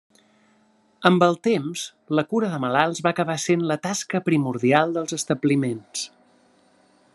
Amb el temps, la cura de malalts va acabar essent la tasca primordial dels establiments.